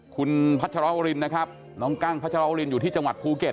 คุณพัชรวรินนะครับน้องกั้งพัชรวรินอยู่ที่จังหวัดภูเก็ต